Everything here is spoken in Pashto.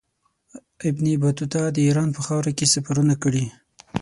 ابن بطوطه د ایران په خاوره کې سفرونه کړي.